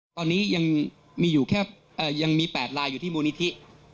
ตอนนี้ยังมี๘ลายอยู่ที่มูลนิทิ